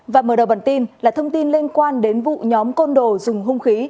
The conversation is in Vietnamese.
và mở đầu bản tin là thông tin liên quan đến vụ nhóm côn đồ dùng hung khí